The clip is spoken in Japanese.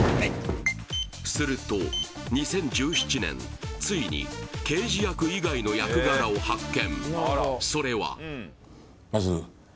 すると２０１７年ついに刑事役以外の役柄を発見